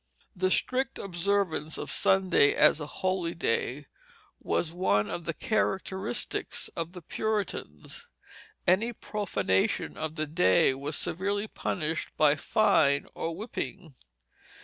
The strict observance of Sunday as a holy day was one of the characteristics of the Puritans. Any profanation of the day was severely punished by fine or whipping.